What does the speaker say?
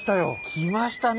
来ましたね。